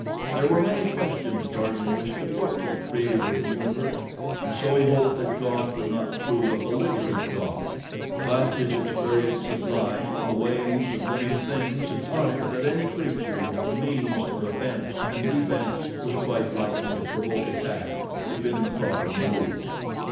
There were many questions Tarzan wished to put to the Creator of the Universe and so he hoped that God would not prove a belligerent God; but his experience of life and the ways of living things had taught him that any creature with the means for offense and defense was quite likely to provoke attack if in the proper mood.